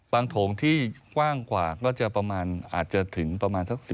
บางโถงที่กว้างกว่าก็จะประมาณ๑๕๒๐เมตร